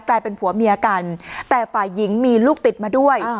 กลายเป็นผัวเมียกันแต่ฝ่ายหญิงมีลูกติดมาด้วย